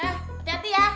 dah hati hati ya